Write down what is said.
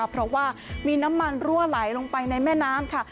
เพราะว่ามีน้ำมันรั่วไหลลงไปในแม่น้ำค่ะ